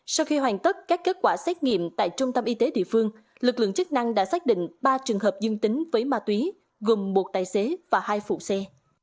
sau khi hoàn tất các kết quả xét nghiệm tại trung tâm y tế địa phương lực lượng chức năng đã xác định ba trường hợp dương tính với ma túy gồm một tài xế và hai phụ xe